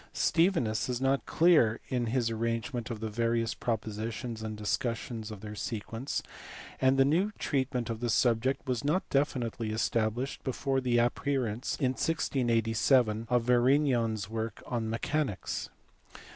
Stevinus is not clear in his arrangement of the various proposi tions and discussion of their sequence, and the new treatment of the subject was not definitely established before the ap pearance in 1687 of Varignon s work on mechanics.